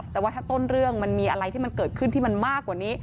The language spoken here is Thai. แต่ว่าถ้าต้นเรื่องมันมีอะไรที่มันเกิดขึ้นที่มันมากกว่านี้